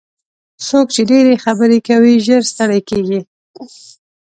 څوک چې ډېرې خبرې کوي ژر ستړي کېږي.